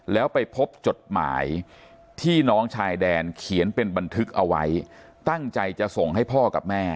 แล้วไปพบจดหมายที่น้องชายแดนเขียนเป็นบันทึกเอาไว้ตั้งใจจะส่งให้พ่อกับแม่